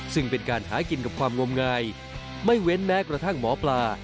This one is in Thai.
ซึ่งเป็นการหากินกับความงมงายไม่เว้นแม้กระทั่งหมอปลา